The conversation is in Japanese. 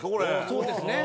そうですね。